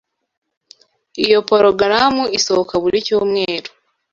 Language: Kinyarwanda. Iyo porogaramu isohoka buri cyumweru.